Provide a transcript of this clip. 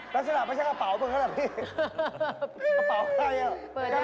ราชาธารไม่ใช่กระเป๋าเบิร์นของเบิร์ตอ่ะพี่